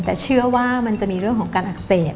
แต่เชื่อว่ามันจะมีเรื่องของการอักเสบ